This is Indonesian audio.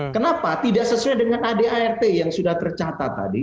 kenapa tidak sesuai dengan adart yang sudah tercatat tadi